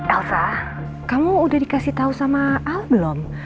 elsa kamu udah dikasih tau sama al belum